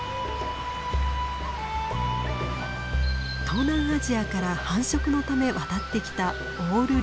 東南アジアから繁殖のため渡ってきたオオルリ。